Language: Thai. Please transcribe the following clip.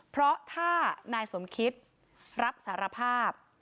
เพราะถ้านายสมคิตรับสารภาพ